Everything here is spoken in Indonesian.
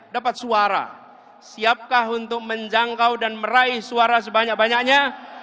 dapat suara siapkah untuk menjangkau dan meraih suara sebanyak banyaknya